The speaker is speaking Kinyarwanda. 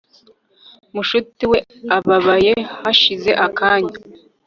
mushuti we ababaye hashize akanya